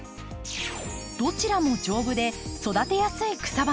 どちらも丈夫で育てやすい草花。